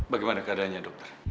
bagaimana keadaannya dokter